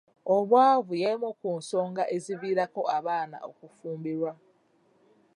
Obwavu y'emu ku nsonga eziviirako abaana okufumbirwa.